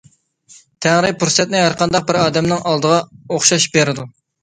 تەڭرى پۇرسەتنى ھەرقانداق بىر ئادەمنىڭ ئالدىغا ئوخشاش بېرىدۇ.